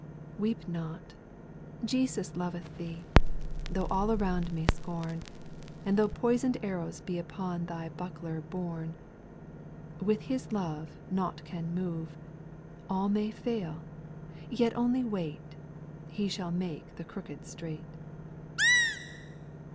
) 4. Weep not, — Jesus loveth thee, Tho' all around may scorn. And tho' poisoned arrows be Upon thy buckler borne. With His love, Nought can move ; All may fail, — yet only wait, He shall make the crooked straight.